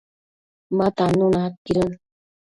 ma tannuna aidquidën